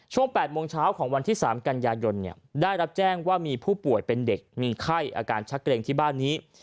๘โมงเช้าของวันที่๓กันยายนได้รับแจ้งว่ามีผู้ป่วยเป็นเด็กมีไข้อาการชักเกรงที่บ้านนี้